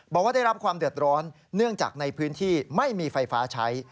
บอกว่าได้รับความเดือดร้อนเนื่องจากในพื้นที่ไม่มีไฟฟ้าใช้